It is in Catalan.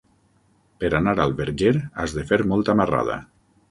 Per anar al Verger has de fer molta marrada.